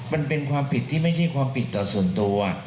มันเป็นความผิดที่ไม่ใช่ความผิดต่อส่วนตัว